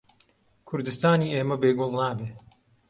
کوردستانی ئێمە بێ گوڵ نابێ